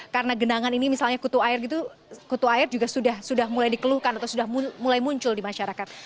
karena genangan ini misalnya kutu air juga sudah mulai dikeluhkan atau sudah mulai muncul di masyarakat